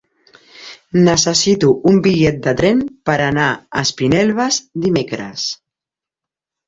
Necessito un bitllet de tren per anar a Espinelves dimecres.